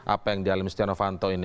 apa yang di alimistri anofanto ini